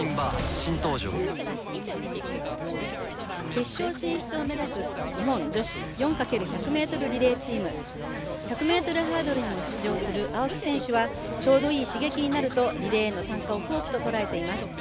決勝進出を目指す日本女子４×１００ｍリレーチーム１００ｍハードルにも出場する青木選手はちょうどいい刺激になるとリレーへの参加を好機と捉えています。